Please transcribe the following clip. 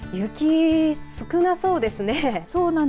雪、少なそうですね。